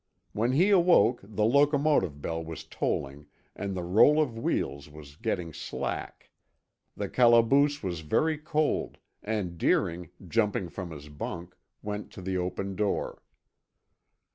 When he awoke the locomotive bell was tolling and the roll of wheels was getting slack. The calaboose was very cold, and Deering, jumping from his bunk, went to the open door.